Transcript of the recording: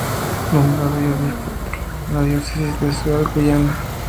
Nombrado V Obispo titular de la Diócesis de Ciudad Guayana.